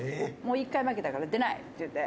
「１回負けたから“出ない”って言って」